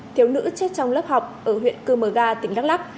thiếu nữ chết trong lớp học ở huyện cư mờ ga tỉnh đắk lắc